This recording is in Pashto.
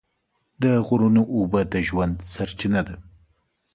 د غرونو اوبه د ژوند سرچینه ده.